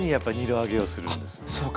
あそうか。